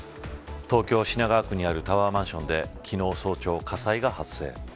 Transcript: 東京、品川区にあるタワーマンションで昨日早朝、火災が発生。